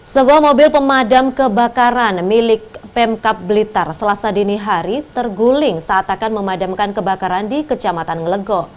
sebuah mobil pemadam kebakaran milik pemkap blitar selasa dini hari terguling saat akan memadamkan kebakaran di kecamatan ngelego